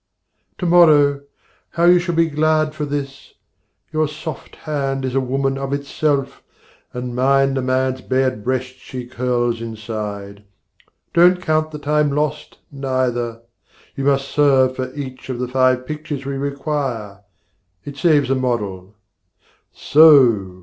To morrow, how you shall be glad for this! Your soft hand is a woman of itself, And mine the man's bared breast she curls inside. Don't count the time lost, neither; you must serve For each of the five pictures we require: It saves a model. So!